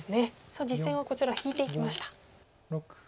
実戦はこちら引いていきました。